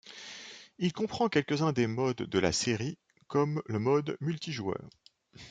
Il comprend quelques-uns des modes de la série ' comme le mode multijoueur.